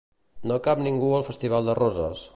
No cap ningú al festival de Roses.